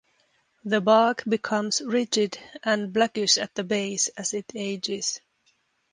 The bark becomes ridged and blackish at the base as it ages.